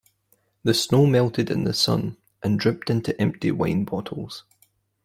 The snow melted in the sun and dripped into empty wine bottles.